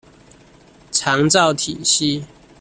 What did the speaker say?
長照體系